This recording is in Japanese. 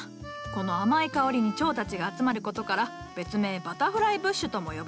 この甘い香りに蝶たちが集まることから別名バタフライブッシュとも呼ばれる。